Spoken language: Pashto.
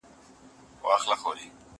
زه اوږده وخت ليکنې کوم!